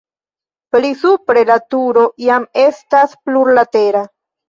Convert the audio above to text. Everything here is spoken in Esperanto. Pli supre la turo jam estas plurlatera.